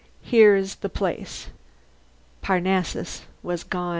"Here's the place." Parnassus was gone!